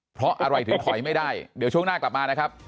เพราะอะไรถึงถอยไม่ได้เดี๋ยวช่วงหน้ากลับมานะครับ